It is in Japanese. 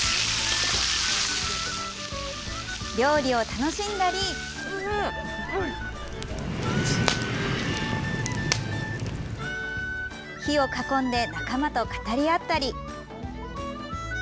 料理を楽しんだり火を囲んで仲間と語り合ったり。